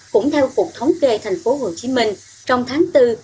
cũng theo cuộc thống kê thành phố hồ chí minh trong tháng bốn